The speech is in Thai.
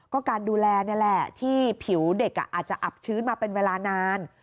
ก็การดูแลนี่แหละที่ผิวเด็กอาจจะอับชื้นมาเป็นเวลานาน